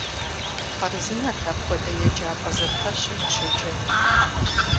Хъарзынэт апхуэдэ еджапӏэ зэпэщым ущеджэну.